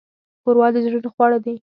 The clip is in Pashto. ښوروا د زړونو خواړه دي.